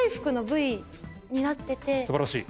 素晴らしい。